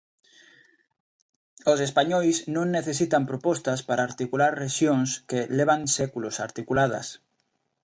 Os españois non necesitan propostas para articular rexións que levan séculos articuladas.